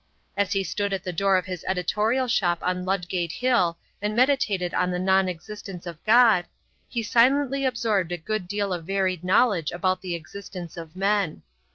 As he stood at the door of his editorial shop on Ludgate Hill and meditated on the non existence of God, he silently absorbed a good deal of varied knowledge about the existence of men.